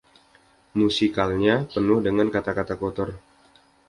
Musikalnya penuh dengan kata-kata kotor.